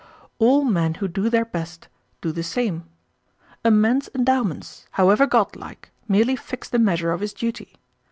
All men who do their best, do the same. A man's endowments, however godlike, merely fix the measure of his duty.